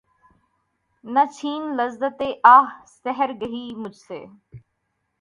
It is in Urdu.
نہ چھین لذت آہ سحرگہی مجھ سے